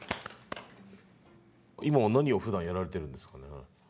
今は何をふだんやられてるんですか？